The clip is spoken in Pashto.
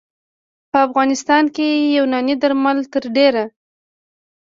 په افغانستان کې یوناني درمل تر ډېره